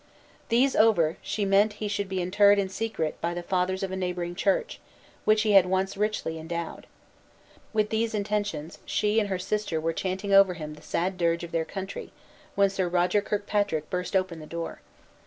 These over, she meant he should be interred in secret by the fathers of a neighboring church, which he had once richly endowed. With these intentions, she and her sister were chanting over him the sad dirge of their country, when Sir Roger Kirkpatrick burst open the door.